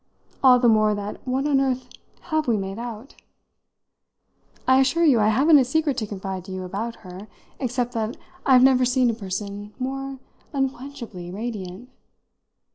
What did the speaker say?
All the more that what on earth have we made out? I assure you I haven't a secret to confide to you about her, except that I've never seen a person more unquenchably radiant."